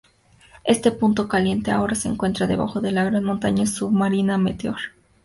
Este punto caliente ahora se encuentra debajo de la gran montaña submarina Meteor.